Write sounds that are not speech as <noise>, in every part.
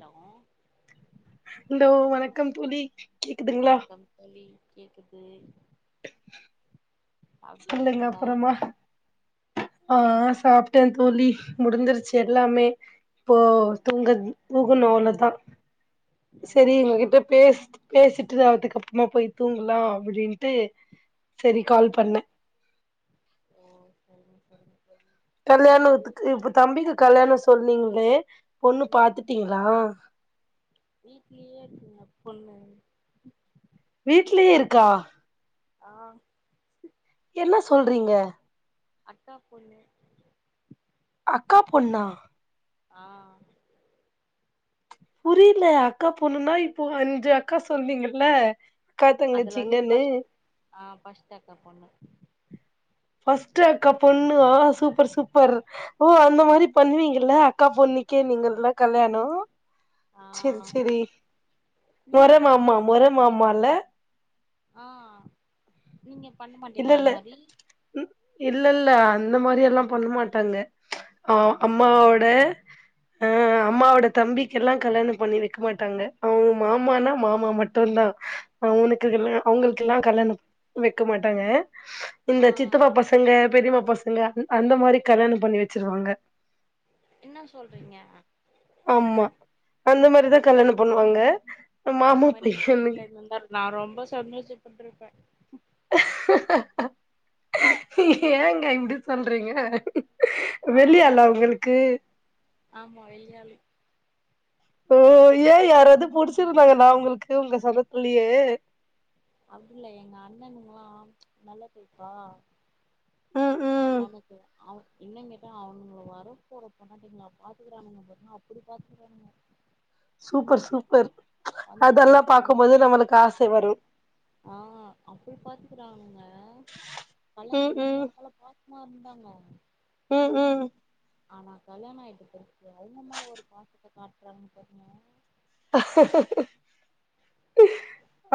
Hello? Hello வணக்கம் தோழி. கேக்குதுங்களா வணக்கம் தோழி கேக்குது. சொல்லுங்க சாப்டாச்சுங்ளா? அப்புறமா ஆ சாப்ட்டே தோழி முடிஞ்சிருச்சு எல்லாமே இப்போ தூங்கத் போகுணு அவ்ளதா. ஓ செரி உங்ககிட்ட பேசிட்டு பேசிட்டுரு அதுக்கு அப்மா போய் தூங்கலா அப்டின்ட்டு சரி கால் ம் பண்ணே ஓ செரிங்க செரிங்க தோழி. நீங்க தே கல்யாணவுத்துக்கு இப்ப தம்பிக்கு கல்யாணோ சொன்னீங்ளே பொண்ணு பாத்துட்டீங்ளா? வீட்லியே இருக்குங்க பொண்ணு. வீட்லியே இருக்கா? ஆ என்ன சொல்றீங்க? அக்கா பொண்ணு. அக்கா பொண்ணா? ஆ. புரில அக்கா பொண்ணுனா இப்போ அஞ்சு அக்கா சொன்னீங்கல்ல. அக்கா அதுல வந்து தங்கச்சிங்கன்னு ஃபஸ்ட் ஆ பஸ்ட்டு அக்கா பொண்ணு. ஃபஸ்ட் அக்கா பொண்ணு ஆ சூப்பர் சூப்பர். ஓ அந்த மாரி பண்ணுவீங்கல்ல. க்கா பொண்ணுக்கே நீங்கெல்லா கல்யாணோ. ஆ செர் செரி ஏ மொற மாமா நீங்க மொற பண்ண மாட்டீங்களா மாமால்ல ஆ நீங்க பண்ண மாட்டீங்களா அந்த மாரி? ம் இல்லல்ல அந்த மாரி எல்லா பண்ண மாட்டாங்க. அ ஓ அம்மாவோட ஆ ம். அம்மாவோட தம்பிக்கு எல்லா கல்யாணம் பண்ணி வெக்க மாட்டாங்க. அவுங்க மாமானா மாமா மட்டுந்தா. அவனுக்குகெல்லா அவுங்குள்க்கெல்லா கல்யாணம் வெக்க மாட்டாங்க. ஆ இந்த சித்தப்பா பச ங்க பெரியமா பசங்க அந் அந்த மாரி கல்யாணம் பண்ணி வெச்சிருவாங்க. என்னா சொல்றீங்க? ஆம்மா அந்த மாரிதா கல்யாணோ பண்ணுவாங்க. அந்த மாமா மாரி எங்க பையன்னு வீட்ல இந்துந்தா நா ரொம்ப சந்தோஷப்பட்ருப்பே. ஏங்க இப்டி சொல்றீங்க வெளி ஆமா ஆளா உங்களுக்கு ஆமா வெளி ஆளு ஓ ஏ யாராவது புடிச்சிருந்தாங்கனா உங்களுக்கு உங்க சொந்ததுலே அப்டில்ல எங்க அண்ணனுங்ல்லா நல்ல டைப்பா ம் ம் <unintelligible> இன்னு கேட்டா அவனுங்க வர போற பொண்ணாட்டீங்ளா பாத்துக்கிறாங்க பாருங்க அப்டி பாத்துக்கறானுங்க சூப்பர் சூப்பர் வந்துட்ட அதெல்லா பாக்கும்போது பொண்டாட்டிகள நம்மளுக்கு ஆச வரு ஆ அப்டி பாத்துக்குறாங்க ம் கல்யாணத்துக்கு முன்னாடி ம் எங்கள பாத் அம்மா இருந்தாங்க ம் ம் ஆனா கல்யாண ஆயிட்டபெர்கு அவுங்க மேல ஒரு பாசத்த காட்றாங்க பாருங்க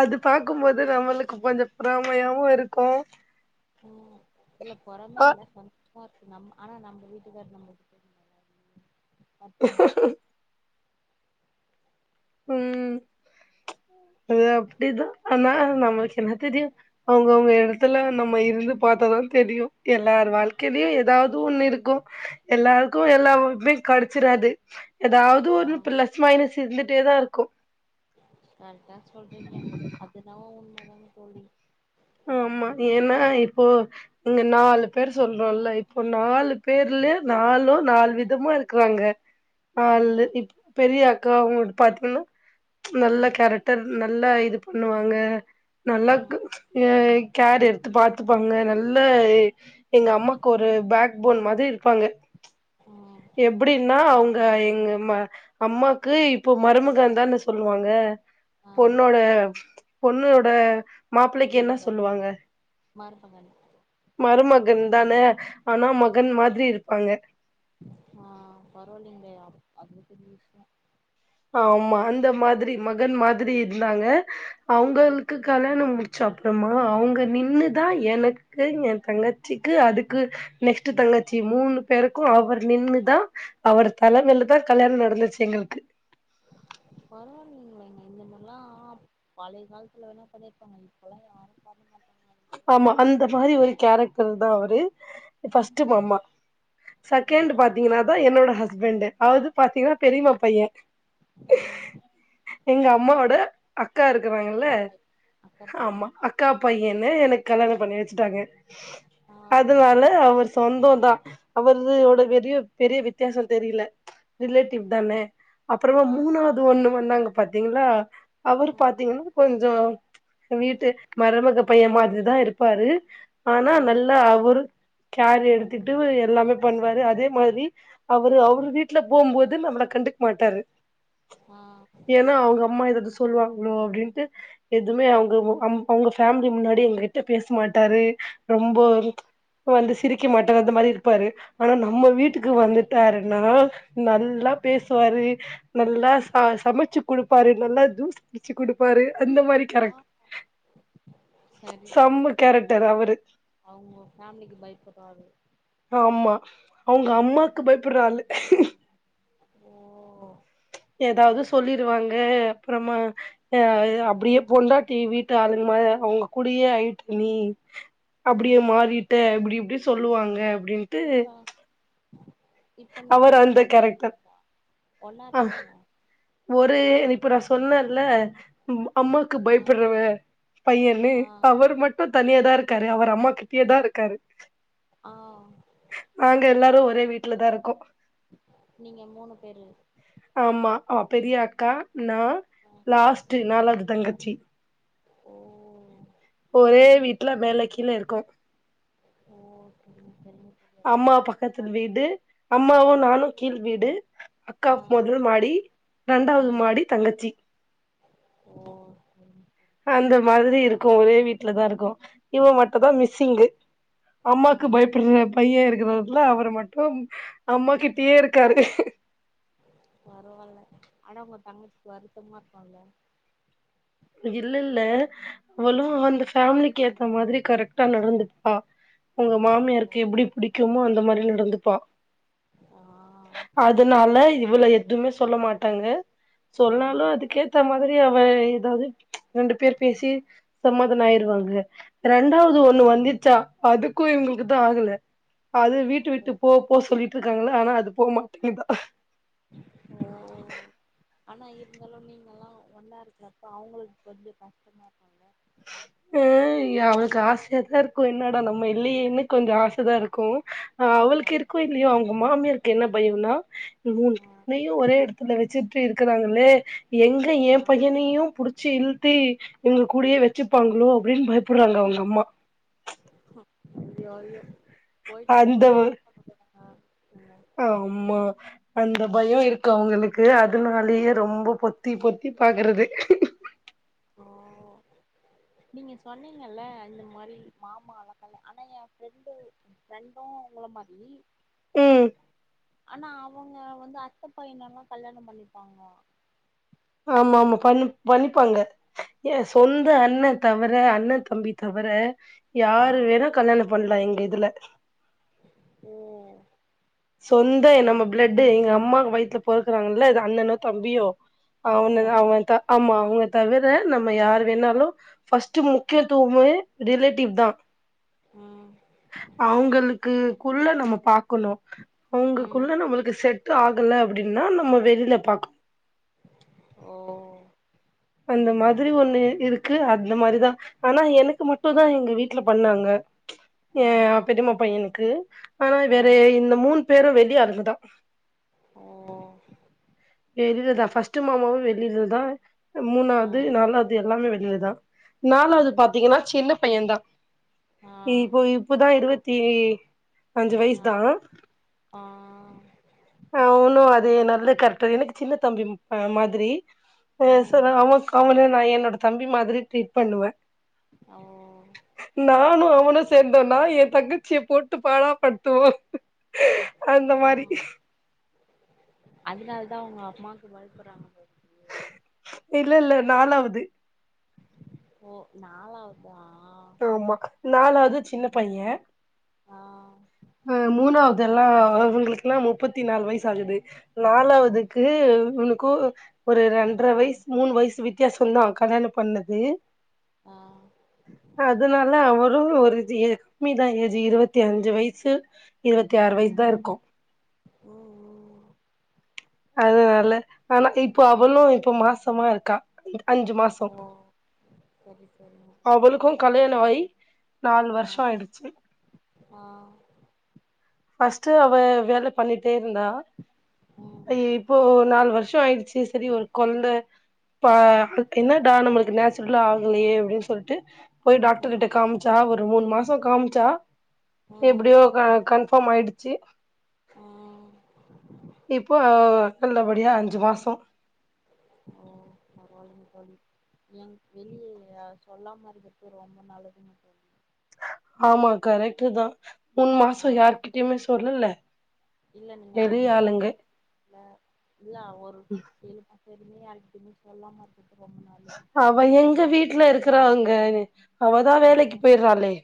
அது பாக்குபோது நம்மளுக்கு கொஞ்சோ பொறாமையாவு இருக்கு ம் இல்ல பொறாமையா ஆ இல்ல கொஞ் <unintelligible> இருக்கு நம் ஆனா நம்ப வீட்டுக்காரர் நம்ளுக்கு தெரிலல <inaudible> கஷ்டமா இருக் ம் அது அப்டிதா ஆனா நம்மளுக்கு என்ன தெரியும் அவங்கவுங்க இடத்துல நம்ம இருந்து பாத்தாதான தெரியும எல்லார் வாழ்க்கையிலயு ஏதாவது ஒண்ணு இருக்கு எல்லாருக்கு எல்லா வாய்ப்புமே கெடச்சிறாது ஏதாவது ஒரு ஆமா பிளஸ் மைனஸ் இருந்துட்டே தா இருக்கு கரெக்டா சொல்றீங்க அது என்னவோ உண்ம தானே தோழி ஆமா ஏன்னா இப்போ இங்க நாலு பேர் சொல்றோல்ல இப்போ நாலு பேர்ல நாலு நாலு விதமா இருக்குறாங்க ஆள்ளு ம் இப்ப பெரிய அக்கா அவங்களோடு பாத்தீங்கன்னா நல்ல ம் கேரட் டர் நல்லா இது பண்ணுவாங்க நல்லா ம் கு ஏ கேர் எடுத்து பாத்துப்பாங்க நல்ல எ எங்க அம்மாக்கு ஒரு பேக் போன் மாதிரி இருப்பாங்க ம் எப்டின்னா அவுங்க எங்க ம அம்மாக்கு இப்ப மருமகன்ந்தானே சொல்லுவாங்க ஆ பொண்ணோட பொண்ணோட மாப் புள்ளைக்கி என்ன வீட்டுக்கார் சொல்லுவாங்க மருமகன் மருமகன் தானே ஆனா மகன் மாதிரி இருப்பாங்க ஆ பரவாயில்லேங்ளே அப் அதுவே பெரிய விஷ்யோ ஆமா அந்த மாதிரி மகன் மாதிரி இருந்தாங்க ஆ அவுங்களுக்கு கல்யாணம் சப்டோமா அவுங்க நின்னு தா எனக்கு எ தங்கச்சிக்கு அதுக்கு நெக்ஸ்ட் தங்கச்சி மூணு பேருக்கு அவர் நின்னுதா அவரு தலமையில தா கல்யாண நடந்துச்சு எங்களுக்கு பரவாயில்ங்ளேங்க இந்த மார்லா பழைய காலத்துல வேணா பண்ணிருப்பாங்க இப்பல யாரு பண்ண மாட்டங்க ஆமா அந்த மாரி ஒரு கேரக்டர் தா அவரு இது ஆ ஃபஸ்ட்டு மாமா ஆ செகண்ட் பாத்தீங்கன்னா தா என்னோட ஹஸ்பெண்ட்டு அதாவது பாத்தீங்கன்னா பெரியம்மா பைய ம் எங்க அம்மாவோட அக்கா இருக்குறாங்கல்ல அக்கா பை அக்கா ஆமா பையன் க்கா பையன்ன எனக் கல்யாண பண்ணி வச்சுட்டாங்க ஆ அதுனால அவர் சொந்தோந்தான் அவரிதயோட வெரிய பெரிய வித்தியாசோ தெரில ரிலேட்டிவ் தான அப்புறமா ஆ மூணாவ்து ஒன்னு வந்தாங்க பாத்தீங்ளா அவரு ம் பாத்தீங்னா கொஞ்சோ வீட்டு மருமக பையன் மாதிரிதா இருப்பாரு ஆனா ஆ நல்லா அவரு கேர் எடுத்துட்டு எல்லாமே பண்வாரு அதே மாரி அவரு அவரு வீட்ல போம்போது நம்ள கண்டுக் மாட்டாரு ஆ ஏனா அவ்ங்க அம்மா எதாது சொல்லுவாங்ளோ அப்டின்ட்டு எதுமே அவ்கவ்ங்க அம் அவ்ங்க ஃபேம் முன்னாடி எங்ககிட்ட பேசு மாட்டாரு ரொம்போ ம் இப்ப வந்து சிரிக்க மாட்டாரு அந்த மாரி இருப்பாரு ஆனா நம்ம வீட்டுக்கு வந்துட் டாருன்னா நல்லா பேசுவாரு நல்லா ச சமைச்சு குடுப்பாரு நல்லா ஜீஸ் அடிச்சு குடுப்பாரு அந்த மாரி ஆ கேரக்ட் சரி சரி செம்ம அப் கேரக்டர் அவரு அவ்ங்க ஃபேமிலிக்கு பயப்புராரு ஆமா அவ்ங்க அம்மாக்கு பயப்புற ஆளு அப்பிடியா ஓ ஏதாவ்து சொல்லிருவாங்க அப்றமா ய யா அப்டியே பொண்டாட்டி வீட்டு ஆளுங்க மா அவ்ங்க கூடியே ஆய்ட்ட நீ அப்டியே ம் மாறிட்ட அப்டி இப்டி சொல்லுவாங்க அப்டின் இப்பா இப்போ அவர் நீங்களா அந்த ஒன்னா கேரக்டர் ங்ளா ஒன்னா அ இருக்கீங்ளா ஒரு இப்ப நா சொன்னல்ல இந்த அம்மாக்கு ஆ பயப்புறவ பையனு ஆ அவரு மட் இப்ப தனியாதா இருக்காரு அவரு அம்மா கிட்டயேதா இருக்காரு ஆ நாங்க எல்லாரு ஒரே வீட்லதா இருக்கோ நீங்க மூணு பேரு ஆமா அ பெரியா அக்கா நா ஆ லாஸ்ட்டு ஆ நாலாது தங்கச்சி ஓ ஒரே வீட்ல மேல கீழ இருக்கோ ஓ சரிங்க சரிங்க தோழி அப்ப அம்மா ஜாலியா பக்கத்து இருக்கு வீடு அம்மாவு நானு கீழ் வீடு அக்கா ஆ மொத மாடி ஆ ரெண்டாவ்து மாடி தங்கச்சி ஓ ம் அந்த மாதிரி இருக்கோ ஒரே வீட்ல தா இருக்கோ இவ மட்டுதா மிஸ்ஸிங்கு ஆ அம்மாக்கு பயப்புறப் பையே இருக்கிறதுல அவரு மட்டும் அம்மா கிட்டியே இருக்காரு பரவால்ல ஆனா அவ்ங்க தங்கச்சிக்கு வருத்தமா இருக்குல்ல இல்ல இல்ல அவளு அந்த ஃபேமிலிக்கு ஏத்த மாதிரி கரெக்ட்டா நடந்துப்பா அவ்ங்க மாமியாருக்கு எப்டி புடிக்குமோ அந்த மாரி நடந்துப்பா ஆ அதுனால இவள எதுமே சொல்ல மாட்டாங்க ஆ சொன்னாலு அதுக்கேத்த மாதிரி அவ எதாவது ரெண்டு பேரு பேசி சம்மாதானோ ஆய்ருவாங்க ரெண்டாவ்து ஒன்னு வந்துச்சா அதுக்கு எங்ளுக்குதா ஆகல அத வீட்டு விட்டு போ போ சொல்லிட்ருக்காங்களா ஆனா அது போ மாட்டிங்குதா ஓ ஆனா இருந்தாலு நீங்கெல்லா ஒன்னா இருக்கிறப்ப அவுங்குளுக் வந்து கஷ்டமா இருக்கூல உ உ அவளுக்கு ஆசயாதா இருக்கு என்னடா நம்ம இல்லேயேனு கொஞ்சோ ஆசதா இருக்கு ஆ அவளுக்கு இருக்கோ இல்லீயோ அவுங்க மாமியாருக்கு என்ன பயோனா இ மூனு ஆ புள்ளயு ஒரே எடத்துல வெச்சுட் டு இருக்கறாங்களே எங்க ஆ என் பையனையு புடுச்சு இழுத்து இவுங்க கூடயே வெ வெச்சுப்பாங்களோ அப்டினு பயப்படறாங்க அவுங்க அம்மா அஹ் ஐயோ ஐயோ போயிட்டா கூட அந்த வ- என்ன பண்ண போறாங்க அவுங்க ஆமா அந்த பயோ இருக்கு அவுங்களுக்கு அதுனாலயே ரொம்ப பொத்தி பொத்தி பாக்கறது ஓ நீங்க சொன்னீங்கல்ல இந்த மாரி மாமா அழகல்ல ஆனா என் ஃபிரெண்டு ஃப்ரெண்டு உங்கள மாரி ம் ஆனா அவுங்க வந்து அத்த பையனல்லா கல்யாணோ பண்ணிப்பாங்ளா ஆமாமா பண் பண்ணிப்பாங்க என் சொந்த அண்ண தவர அண்ண தம்பி தவர ஆ யாரு வேணா கல்யாணோ பண்லா எங்க இதுல ஓ சொந்த நம்ம பிளட்டு எங்க அம்மாக்கு வயித்துல பொறக்குறாங்கல்ல அண்ணனோ தம்பியோ அவங்கள அவன தவிர அவன த ஆமா அவுங்க தவர நம்ம யார் வேணாலு ஃபர்ஸ்ட்டு முக்கியத்துவமே ரிலேட்டிவ்தா ம் அவுங்களுக்குக்குள்ள நம்ம பாக்கணு ம் அவுங்களுக்குள்ள நம்மளுக்கு செட் ஆகல அப்டினா நம்ம வெளில பாக் ஓ அந்த மாதிரி ஒண்ணு இருக்கு அந்த மாரிதா ஆனா எனக்கு மட்டுதா எங்க வீட்ல பண்ணாங்க ஆ என் பெரிமா பையனுக்கு ஆனா ஆ வேற இந்த மூணு பேரு வெளி ஆளுகதா ஓ வெளிலதா ஃபர்ஸ்ட்டு மாமாவு வெளிலதா ஆ மூணாவது நாலா வது எல்லாமே வெளிலதா நாலாவது பாத்தீங்கனா சின்ன பையன்தா ஆ இ இப்போதா இருவத்தி அஞ்சு ஆ வயசுதா ஆ அ ஒன்னு அது நல்ல கேரெக்டர் எனக்கு சின்ன தம்பி ம மாதிரி அ சோ ம் அவன்க்கு அவனு நா என்னோட தம்பி மாதிரி ட்ரீட் பண்ணுவ ஓ நானு அவனு சேந்தோனா என் தங்கச்சிய போட்டு பாடா படுத்துவோ அந்த மாரி அதனாலதா அவுங்க அம்மாவுக்கு பயப்படறாங்க போ இல்லல்ல நாலாவது ஓ நாலாவதா ஆமா நாலாவது சின்ன பையன் ஆ அ மூணாவது எல்லா அவங்களுக்கெல்லா முப்பத்தி நாலு வயசு ஆகுது ஓ நாலாவதுக்கு து உனக்கு ஒரு ரெண்ட்ர வய்சு மூணு வய்சு வித்தியாசந்தா கல்யாணம் பண்ணது ஆ அதனால அவரு ஒரு ஜி ஏ கம்மிதா ஏஜு இருவத்தி அஞ்சு வயசு இருவத்தி ஆறு வய்ஸ் தா இருக்கு ஓ ஓ அதுனால ஆனா இப்போ அவளு இப்ப மாசமா இருக்கா அஞ்சு மாசோ ஓ சரி சரிங்க அவளுக்கு கல்யாண ஆயி நாலு ஆ வருஷோ ஆயிடுச்சு ஆ ஃபஸ்ட்டு அவ வேல பண்ணிட்டே இருந்தா ம் இப்போ நாலு வருஷோ ஆயிடுச்சு செரி ஒரு கொழந்த பா என்னடா நம்மளுக்கு நேச்சுரலா ஆகலையே அப்டின் சொல்ட்டு போய் டாக்டர் ம் கிட்ட காம்ச்சா ஒரு மூண் மாசோ காம்ச்சா ம் எப்படியோ க கன் ஃபாம் ஆயிடுச்சு ம் இப்போ நல்லபடியா அஞ்சு மாசோ ஒ பரவாலிங்க தோழி எ வெளிய சொல்லாம இருக்கர்த்து ரொம்ப நல்லதுங்க தோழி ஆமா கரெக்ட்டு தா மூண் ஆ மாச யாருகிட்டயுமே சொல்லல வெளி ஆளுங்க ல இல்ல அ ஒரு ஏழு மாசோ வெரிக்குமே யாருகிட்டையுமே சொல்ல மாட் நேத்து ரொம்ப நேர அவ எங்க வீட்ல இருக்கிற அங்க அவதா ஆ வேலைக்கு போய்ட்றாளே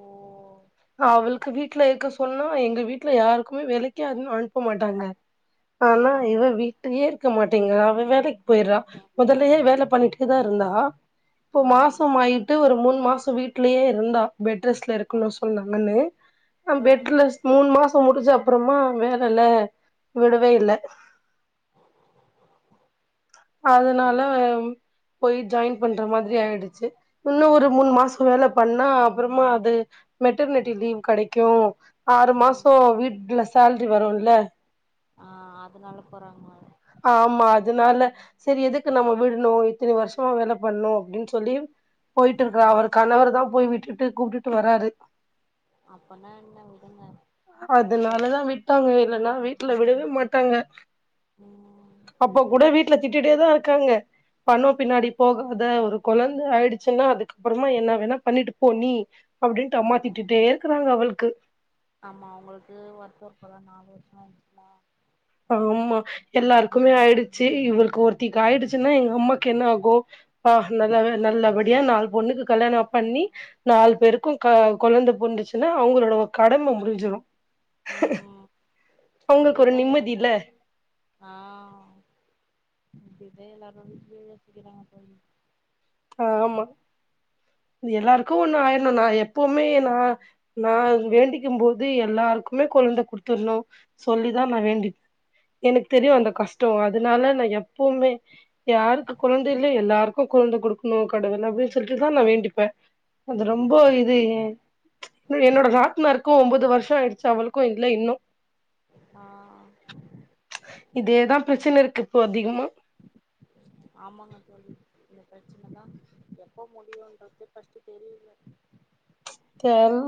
ஓ அவளுக்கு வீட்ல இருக்க சொல்லோ எங்க வீட்ல யாருக்குமே வேலைக்கே அ அனுப்ப மாட்டாங்க ஆ ஆனா இவ வீட்டயே இருக்க மாட்டேங்க அவ வேலைக் போய்றா மொதலயே வேல பண்ணிட்டு தா இருந்தா இப்போ ஆ மாசமாயிட்டு ஒரு மூண் மாசோ வீட்லயே இருந்தா பெட் ரெஸ்ட்ல இருக்கணு சொன்னாங்கன்னு அ அக்கா பெட்லஸ் மூணு மாசோ முடிஞ்ச அப்புறமா வேலல்ல விடவே இல்ல ஓ அதனால போயி ஜாயின் பண்ற மாதிரி ஆயிடுச்சு இன்னு ஒரு மூணு மாசோ வேல பண்ணா அப்பறமா அது மெட்டர்னிட்டி லீவ் கெடைக்கு ஆறு ஆ மாசோ வீட்ல சேல்ரி வருல்ல ஆ அதனால போறாங்களா ஆமா அதனால செரி எதுக்கு நம்ம விட்ணு இத்தினி வருஷமா வேல பண்ணு அப்டின் சொல்லி போயிட்டு ஆ இருக்கிறா அவர கணவருதா போய் விட்டுட்டு கூப்டுட்டு வராரு அப்பன்னா என்ன விடுங்க போயிட்டு அதனாலதா விட்டாங்க இல்லன்னா வீட்ல விடவே மாட்டாங்க ம் அப்போ கூட வீட்ல திட்டிட்டே தா இருக்காங்க பணோ பின்னாடி போகாத ஒரு கொழந்த ஆயிடுச்சுன்னா அதுக்கப்புறமா என்ன வேணா பண்ணிட்டு போ நீ அப்டின்ட்டு அம்மா ஆமா திட்டுட்டே இருக்கிறாங்க அவளுக்கு ஆமா அவுங்களுக்கு வருத்ததோ இருக்குல்ல நாலு வருஷமாயிட்சில்ல ஆம்மா எல்லாருக்குமே ஆயிடுச்சு இவருளுக் ஒருத்திக்கு ஆயிடுச்சுன்னா எங்க அம்மாக்கு என்ன ஆகு ப்பா நல்ல வே நல்லபடியா நாலு பொண்ணுக்கு கல்யாணம் பண்ணி நாலு பேருக்கு கா கொழந்த பொர்ந்துச்சுன்னா அவுங்களோட கடம முடிஞ்சுடு ம் அவங்களுக்கு ஒரு இதேதா நிம்மதி எல்லா இல்ல ஆ இப்டியே தா எல்லாரு வீட்லயு சொல்லிறாங்க தோழி ஆமா எல்லாருக்கு ஒண்ணு ஆயிர்ணு நா எப் எப்போமே நா நா வேண்டிக்கும் போ து எல்லாருக்குமே கொழந்த குடுத்துர்ணு சொல்லிதா நா வேண்டிப் எனக்கு தெரியு ஆ அந்த கஷ்டம் அதனால நா எப்பவுமே யாருக்கு கொழந்த இல்ல எல்லாருக் கு கொழந்த குடுக்கணு கடவுளே அப்டின் சொல்லிட்டுதா நா வேண்டிப்ப அது ரொம்போ இது என்னோட நாத்னாருக்கு ஒன்பது வருஷம் ஆயிடுச்சு அவளுக்கு இல்ல இன்னு ஆ இதேதா பிரச்சன இருக்கு இப்போ அதிகமா ஆமாங்க தோழி இந்த பிரச்சன தா எப்போ முடியும்ன்றத ஃபஸ்ட்டு தெரில தெர்ல